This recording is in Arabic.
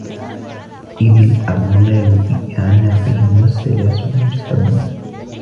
إذ الأغلال في أعناقهم والسلاسل يسحبون